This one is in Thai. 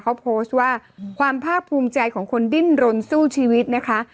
เขาโพสต์ว่าความภาคภูมิใจของคนดิ้นรนสู้ชีวิตนะคะ